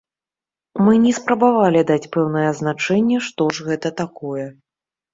Мы не спрабавалі даць пэўнае азначэнне, што ж гэта такое.